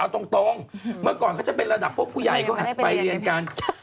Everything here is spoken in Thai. เอาตรงเมื่อก่อนเขาจะเป็นระดับพวกผู้ใหญ่เขาไปเรียนกัน